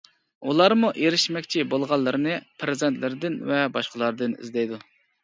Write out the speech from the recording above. ئۇلارمۇ ئېرىشمەكچى بولغانلىرىنى پەرزەنتلىرىدىن ۋە باشقىلاردىن ئىزدەيدۇ.